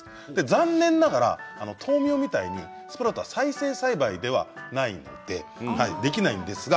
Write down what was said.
残念ながら豆苗みたいにスプラウトは再生栽培ではないのでできないんですが